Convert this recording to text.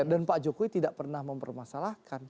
tapi tidak pernah mempermasalahkan